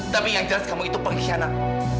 tapi yang jelas kamu itu perkhianat